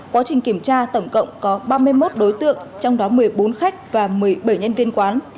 quá trình kiểm tra tổng cộng có ba mươi một đối tượng trong đó một mươi bốn khách và một mươi bảy nhân viên quán